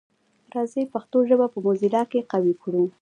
راځی پښتو ژبه په موزیلا کي قوي کړو.